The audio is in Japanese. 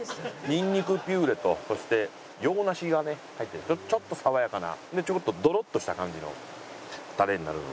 ニンニクピューレとそして洋梨がね入っててちょっと爽やかなでちょこっとドロッとした感じのタレになるので。